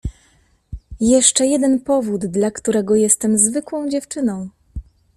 Jeszcze jeden powód, dla którego jestem zwykłą dziewczyną.